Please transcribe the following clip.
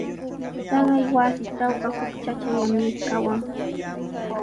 Taqay wasitrawqa huk chachallami kawan.